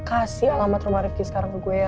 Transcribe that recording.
kasih alamat rumah rifqi sekarang ke gue ya